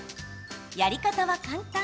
やり方は簡単。